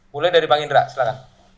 mulai dari bang indra silahkan